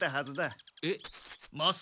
えっ？